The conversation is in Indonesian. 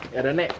ya udah nek